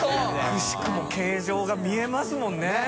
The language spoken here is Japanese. くしくも形状が見えますもんね。